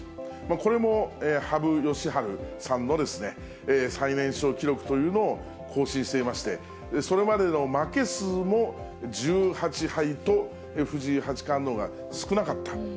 これも羽生善治さんの最年少記録というのを更新していまして、それまでの負け数も１８敗と、藤井八冠のほうが少なかった。